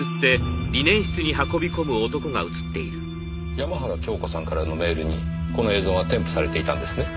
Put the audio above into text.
山原京子さんからのメールにこの映像が添付されていたんですね？